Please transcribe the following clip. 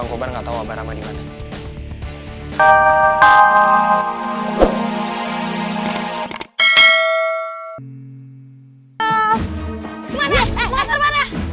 gak tau obar sama ni mana